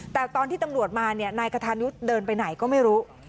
แต่ตอนที่ตำรวจมานายคานุษย์เดินไปไหนก็ไม่รู้